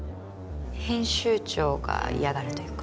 編集長が嫌がるというか。